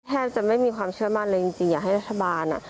แทบจะไม่มีความเชื่อมั่นเลยจริงอยากให้รัฐบาล